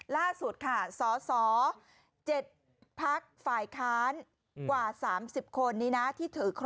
ไม่ใช่ยังไม่หมด